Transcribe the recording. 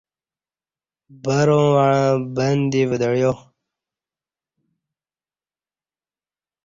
بروں وعں بن دی ودعیا